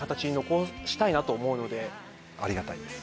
ありがたいです。